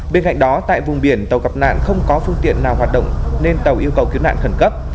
bên cạnh đó tại vùng biển tàu gặp nạn không có phương tiện nào hoạt động nên tàu yêu cầu cứu nạn khẩn cấp